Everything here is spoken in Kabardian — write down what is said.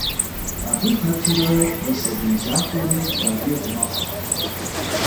Абы хэтурэ и сабий закъуэри балигъ мэхъу.